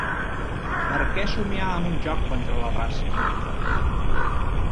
Per què somiar amb un joc contra la raça?